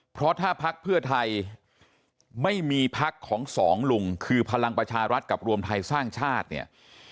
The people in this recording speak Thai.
เพราะถ้าพักเพื่อไทยไม่มีพักของสองลุงคือพลังประชารัฐกับรวมไทยสร้างชาติเนี่ย